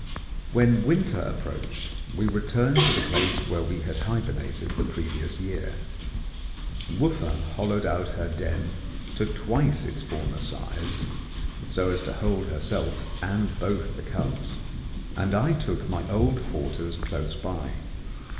When winter approached, we returned to the place where we had hibernated the previous year. Wooffa hollowed out her den to twice its former size, so as to hold herself and both the cubs, and I took my old quarters close by.